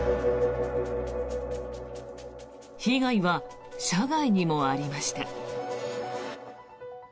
被害は車外にもありました。